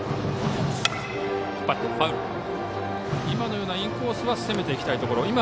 今のようなインコースは攻めていきたいところ。